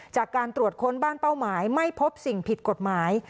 จากการตรวจค้นบ้านเป้าหมายไม่พบสิ่งผิดกฎหมาย